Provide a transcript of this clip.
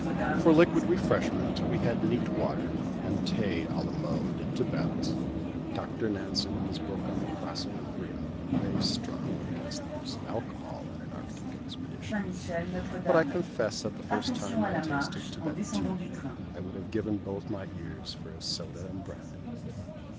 For liquid refreshment we had neat water, and thé à la mode de Thibet. Doctor Nansen, in his book on the crossing of Greenland, inveighs strongly against the use of alcohol in an Arctic expedition; but I confess that the first time I tasted Thibet tea I would have given both my ears for a soda and brandy.